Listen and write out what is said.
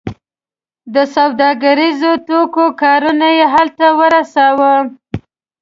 د سوداګریزو توکو کاروان یې هلته ورساوو.